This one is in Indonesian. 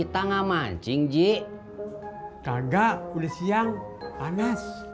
kamu mau jajan apa